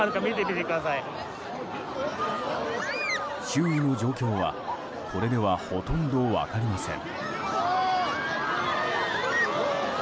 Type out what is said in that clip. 周囲の状況はこれではほとんど分かりません。